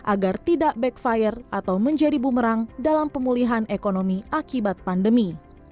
agar tidak backfire atau menjadi bumerang dalam pemulihan ekonomi akibat pandemi